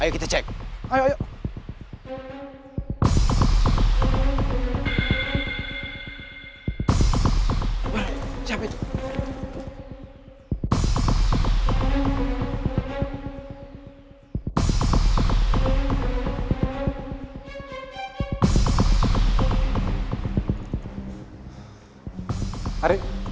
kejar kejar kejar